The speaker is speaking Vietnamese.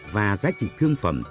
và giá trị thương phẩm